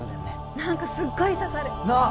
何かすっごい刺さるなっ！